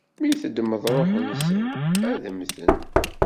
Mi teddmeḍ ṛṛuḥ-nsen, ad mmten.